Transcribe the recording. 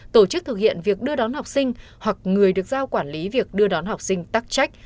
tổ chức thực hiện việc đưa đón học sinh hoặc người được giao quản lý việc đưa đón học sinh tắc trách